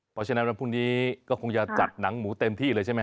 เพราะฉะนั้นวันพรุ่งนี้ก็คงจะจัดหนังหมูเต็มที่เลยใช่ไหม